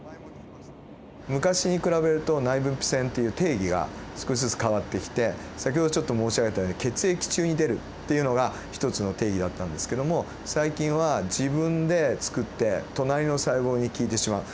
昔に比べると内分泌腺っていう定義が少しずつ変わってきて先ほどちょっと申し上げたように血液中に出るっていうのが一つの定義だったんですけども最近は自分でつくって隣の細胞に効いてしまう。